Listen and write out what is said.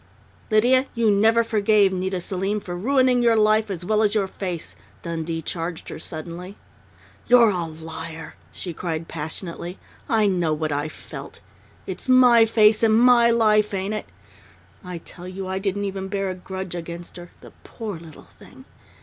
"Lydia, you never forgave Nita Selim for ruining your life as well as your face!" Dundee charged her suddenly. "You're a liar!" she cried passionately. "I know what I felt. It's my face and my life, ain't it? I tell you I didn't even bear a grudge against her the poor little thing!